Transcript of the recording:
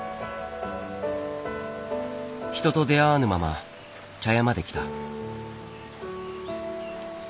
人と出会わぬまま茶屋まで来た。